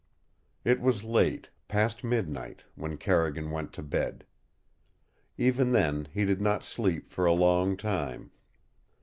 It was late past midnight when Carrigan went to bed. Even then he did not sleep for a long time.